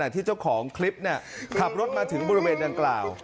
ที่เจ้าของคลิปขับรถมาถึงบริเวณดังกล่าว